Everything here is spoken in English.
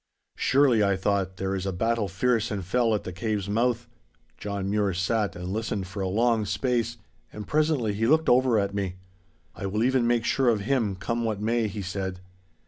Surely, I thought, there is a battle fierce and fell at the cave's mouth. John Mure sat and listened for a long space, and presently he looked over at me. 'I will even make sure of him, come what may,' he said.